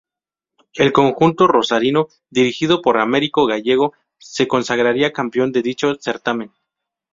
El conjunto rosarino, dirigido por Americo Gallego se consagraría campeón de dicho certamen.